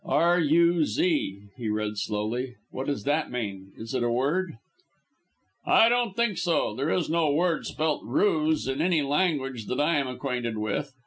"'R U Z,'" he read slowly. "What does that mean? Is it a word?" "I don't think so. There is no word spelt 'Ruz' in any language that I am acquainted with.